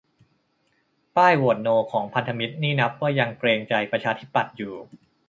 ป้ายโหวตโนของพันธมิตรนี่นับว่ายังเกรงใจประชาธิปัตย์อยู่